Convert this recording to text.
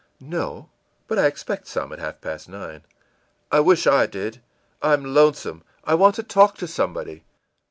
î ìNo, but I expect some at half past nine.î ìI wish I did. I'm lonesome. I want to talk to somebody.